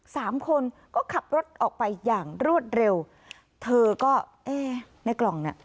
สามคนก็ขับรถออกไปอย่างรวดเร็วเธอก็เอ๊ะในกล่องเนี่ย